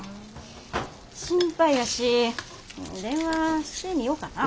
心配やし電話してみよかな。